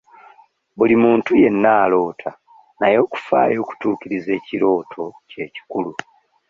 Buli muntu yenna aloota naye okufaayo okutuukiriza ekirooto kye kikulu.